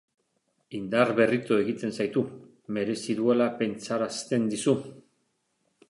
Indarberritu egiten zaitu, merezi duela pentsarazten dizu.